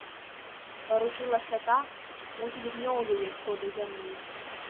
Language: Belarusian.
Варушылася так, мусіць, гнёў яе хто да зямлі.